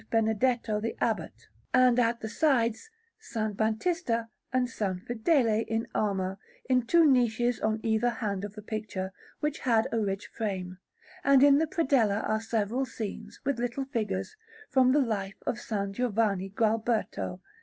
Benedetto the Abbot, and, at the sides, S. Batista and S. Fedele in armour, in two niches on either hand of the picture, which had a rich frame; and in the predella are several scenes, with little figures, from the Life of S. Giovanni Gualberto.